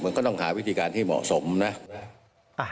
มันก็ต้องหาวิธีการที่เหมาะสมนะ